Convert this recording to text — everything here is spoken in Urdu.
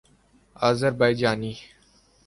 آذربائیجانی